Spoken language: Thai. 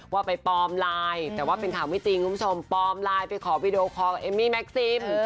ว่าไปปลอมไลน์แต่ว่าเป็นข่าวไม่จริงคุณผู้ชมปลอมไลน์ไปขอวีดีโอคอลเอมมี่แม็กซิม